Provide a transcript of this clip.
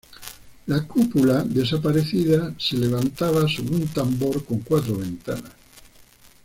La cúpula, desaparecida, se levantaba sobre un tambor con cuatro ventanas.